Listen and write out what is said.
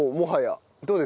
どうですか？